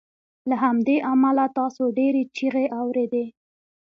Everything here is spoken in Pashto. له همدې امله تاسو ډیرې چیغې اوریدې